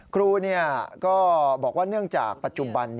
ครูก็บอกว่าเนื่องจากปัจจุบัน